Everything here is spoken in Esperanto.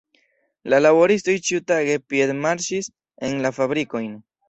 La laboristoj ĉiutage piedmarŝis en la fabrikojn.